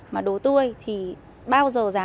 mà đồ tươi thì bao giờ giá